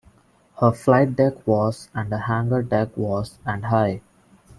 Her flight deck was and her hangar deck was and high.